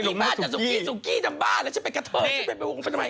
บ้านจะสุกี้สุกี้ทำบ้าเลย